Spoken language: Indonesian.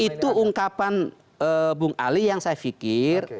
itu ungkapan bang ali yang saya fikir